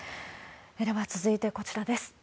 では続いて、こちらです。